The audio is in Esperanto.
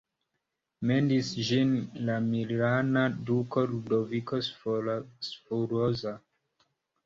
Mendis ĝin la milana duko Ludoviko Sforza.